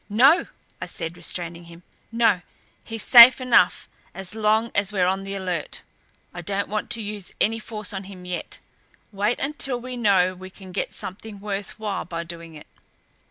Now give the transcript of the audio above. "No," I said, restraining him. "No. He's safe enough as long as we're on the alert. I don't want to use any force on him yet. Wait until we know we can get something worth while by doing it."